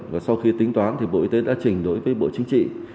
và sau khi tính toán thì bộ y tế đã trình đối với bộ chính trị